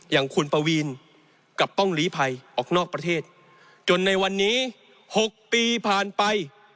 อย่างคุณปวีนกลับต้องหลีภัยออกนอกประเทศจนในวันนี้๖ปีผ่านไป